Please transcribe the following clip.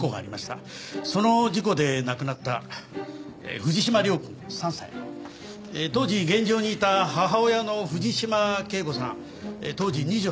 その事故で亡くなった藤島涼君３歳当時現場にいた母親の藤島圭子さん当時２８歳の写真です。